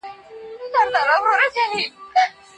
ږمنځ، ږېره، مېږه، مېږيان، کيږي، کيږدۍ، کږه، کوږ، کاږه، ږغ، غېږ